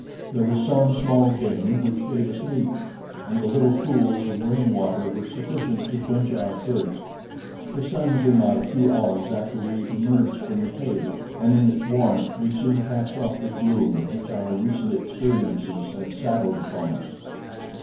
There was some small game which gave us meat, and the little pools of rainwater were sufficient to quench our thirst. The sun came out a few hours after we emerged from the cave, and in its warmth we soon cast off the gloom which our recent experiences had saddled upon us.